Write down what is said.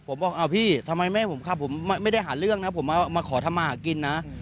ผมบอกอ้าวพี่ทำไมแม่ผมขับผมไม่ได้หาเรื่องนะผมมาขอทำมาหากินนะ